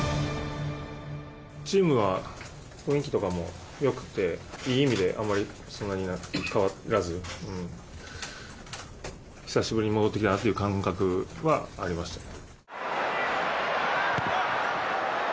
チームは雰囲気とかもよくて、いい意味であまりそんなに変わらず、久しぶりに戻ってきたなという感覚はありましたね。